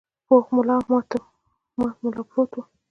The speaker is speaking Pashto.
پوخ پل ماته ملا پروت و.